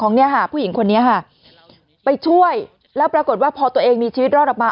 เนี่ยค่ะผู้หญิงคนนี้ค่ะไปช่วยแล้วปรากฏว่าพอตัวเองมีชีวิตรอดออกมา